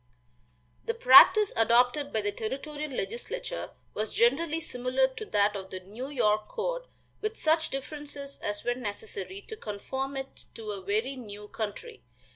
The practice adopted by the territorial legislature was generally similar to that of the New York code, with such differences as were necessary to conform it to a very new country.